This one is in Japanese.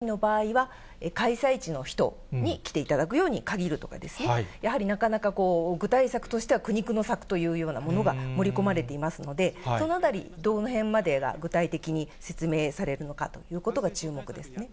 その上で、無観客が望ましいというふうに強調はしていますけれども、仮に観客ありの場合は、開催地の人に来ていただくように限るとかですね、やはりなかなか具体策としては苦肉の策というようなものが盛り込まれていますので、そのあたり、どのへんまでが具体的に説明されるのかということが注目ですね。